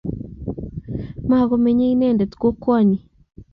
Makomenyei inendet kokwani